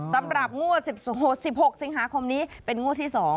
สำหรับงวด๑๖สิงหาคมนี้เป็นงวดที่๒